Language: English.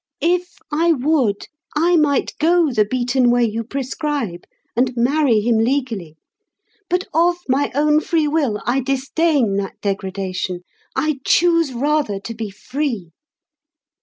If I would, I might go the beaten way you prescribe, and marry him legally. But of my own free will I disdain that degradation; I choose rather to be free.